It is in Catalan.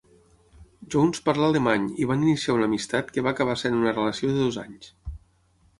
Jones parla alemany i van iniciar una amistat que va acabar sent una relació de dos anys.